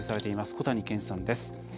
小谷賢さんです。